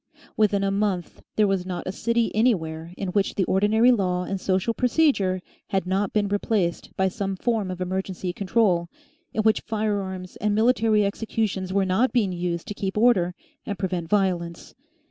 Within a month there was not a city anywhere in which the ordinary law and social procedure had not been replaced by some form of emergency control, in which firearms and military executions were not being used to keep order and prevent violence.